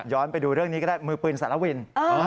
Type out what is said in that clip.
ไปดูเรื่องนี้ก็ได้มือปืนสารวิน